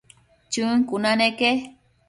Chën cuna neque